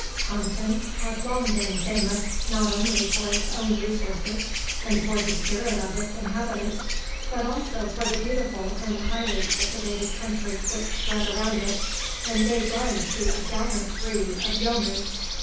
Taunton had long been famous not only for its own resources and for the spirit of its inhabitants, but also for the beautiful and highly cultivated country which spread around it, and gave rise to a gallant breed of yeomen.